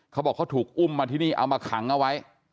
เขาบอกเขาถูกอุ้มมาที่นี่เอามาขังเอาไว้